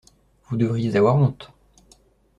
Vous devriez avoir honte.